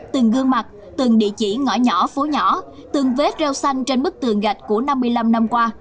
từng gương mặt từng địa chỉ ngõ nhỏ phố nhỏ từng vết reo xanh trên bức tường gạch của năm mươi năm năm qua